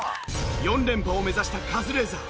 ４連覇を目指したカズレーザー。